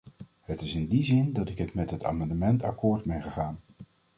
Het is in die zin dat ik met het amendement akkoord ben gegaan.